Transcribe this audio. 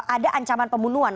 ada ancaman pembunuhan